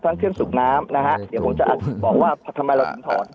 เครื่องสูบน้ำนะฮะเดี๋ยวผมจะบอกว่าทำไมเราถึงถอน